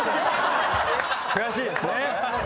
悔しいですね。